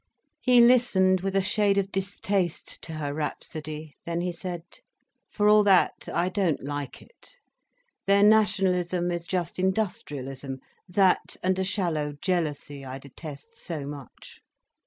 He listened with a shade of distaste to her rhapsody, then he said: "For all that, I don't like it. Their nationalism is just industrialism—that and a shallow jealousy I detest so much."